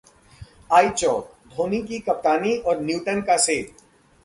iChowk: Dhoni की कप्तानी और न्यूटन का सेब